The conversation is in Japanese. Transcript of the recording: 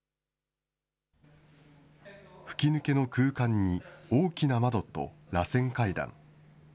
吹き抜けの空間に大きな窓とらせん階段。